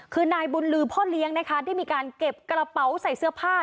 คือนายบุญลือพ่อเลี้ยงนะคะได้มีการเก็บกระเป๋าใส่เสื้อผ้า